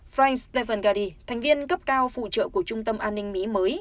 frank steven gatti thành viên cấp cao phụ trợ của trung tâm an ninh mỹ mới